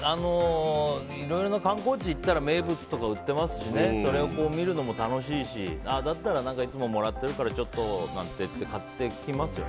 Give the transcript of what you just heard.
いろいろ観光地に行ったら名物とかも売ってますしそれを見るのも楽しいしだったらいつももらっているからちょっとって買っていきますよね。